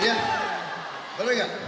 iya bener gak